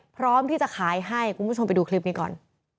พร้อมที่จะขายให้คุณผู้ชมไปดูคลิปนี้ก่อน